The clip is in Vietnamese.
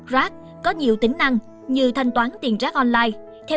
rac có nhiều tính năng như thanh toán tiền rác online